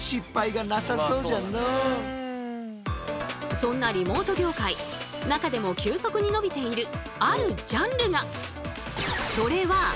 そんなリモート業界中でも急速に伸びているあるジャンルが。